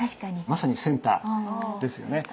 まさにセンターですよね。